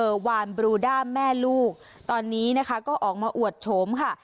วานบรูด้าแม่ลูกตอนนี้นะคะก็ออกมาอวดโฉมค่ะ